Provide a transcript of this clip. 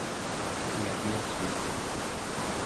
La guerre suit.